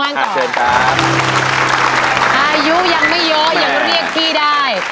อายุยังไม่เยอะยังเรียกพี่ได้